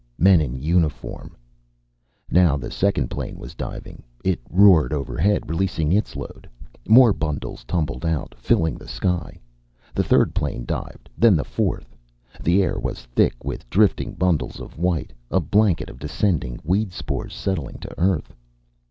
Men in uniform. Now the second plane was diving. It roared overhead, releasing its load. More bundles tumbled out, filling the sky. The third plane dived, then the fourth. The air was thick with drifting bundles of white, a blanket of descending weed spores, settling to earth.